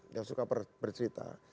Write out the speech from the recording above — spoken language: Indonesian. dia suka bercerita